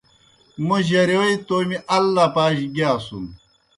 موْ جرِیوئے تومیْ ال لَپَا جیْ گِیاسُن۔